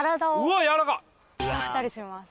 使ったりします。